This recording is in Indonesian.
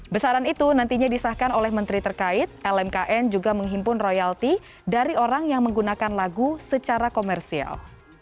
besaran itu nantinya disahkan oleh menteri terkait lmkn juga menghimpun royalti dari orang yang menggunakan lagu secara komersial